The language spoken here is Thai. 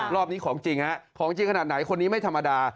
รอบนี้ของจริงฮะของจริงขนาดไหนคนนี้ไม่ธรรมดา